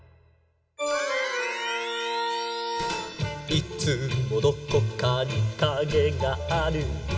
「いつもどこかにカゲがある」